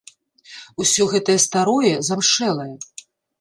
Усё гэтае старое, замшэлае.